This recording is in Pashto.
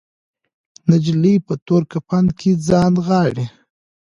نجلۍ په تور کفن کې ځان نغاړلی